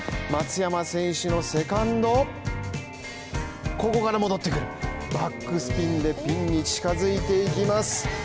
松山選手のセカンドここから戻ってくるバックスピンでピンに近づいていきます